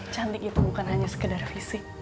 cantik itu bukan hanya sekedar fisik